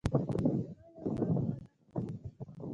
خو زما یو ناز وانه خلې.